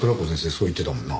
そう言ってたもんな。